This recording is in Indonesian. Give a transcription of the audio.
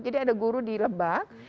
jadi ada guru di lebak